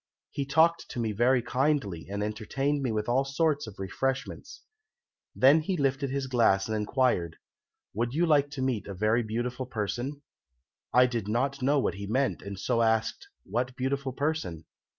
He talked to me very kindly, and entertained me with all sorts of refreshments. Then he lifted his glass and inquired, 'Would you like to meet a very beautiful person?' I did not know what he meant, and so asked, 'What beautiful person?'